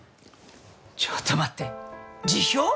ちょっと待って辞表！？